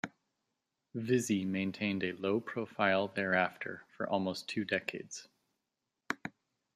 Vizzy maintained a low profile thereafter for almost two decades.